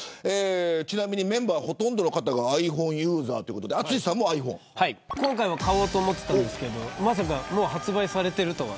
ちなみにメンバーほとんどの方がｉＰｈｏｎｅユーザーということで今回は買おうと思っていたんですけどまさかもう発売されているとは。